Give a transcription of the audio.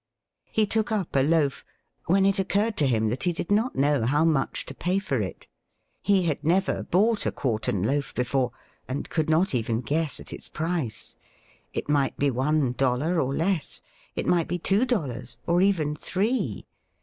He took up a loaf, when it occurred to him that he did not know how much to pay for it. He had never bought a quartern loaf before, and could not even guess at its price. It might be one dollar, or less; it might be two dollars, or even three.